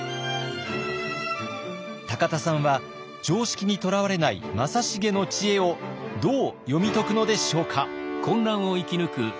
田さんは常識にとらわれない正成の知恵をどう読み解くのでしょうか。